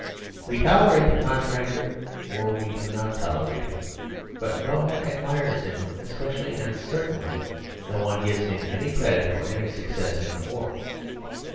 We tolerate the contractor, or we do not tolerate him; but no one admires him especially, and certainly no one gives him any credit for any success in the war.